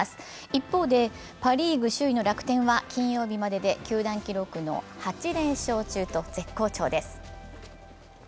一方で、パ・リーグ首位の楽天は金曜日までで球団記録の８連勝中と絶好調です。